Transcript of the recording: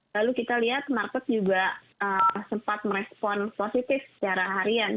lalu kita lihat market juga sempat merespon positif secara harian